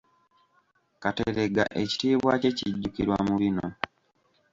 Kateregga ekitiibwa kye kijjukirwa mu bino.